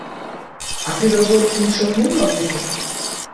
А ты дазорцу не шапнуў на вуха?